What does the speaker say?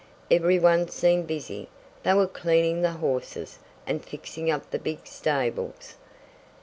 Every one seemed busy. They were cleaning the horses, and fixing up the big stables.